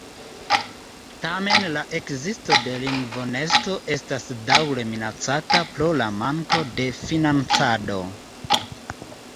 Tamen la ekzisto de lingvo-nesto estas daŭre minacata pro la manko de financado.